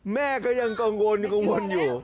แม่ก็ยังกังวลอยู่